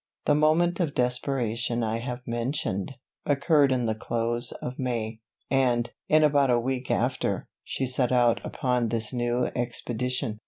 The moment of desperation I have mentioned, occurred in the close of May, and, in about a week after, she set out upon this new expedition.